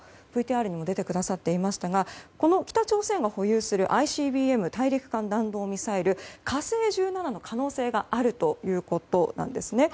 ＶＴＲにも出てくださっていましたがこの北朝鮮が保有するＩＣＢＭ・大陸間弾道ミサイル「火星１７」の可能性があるということなんですね。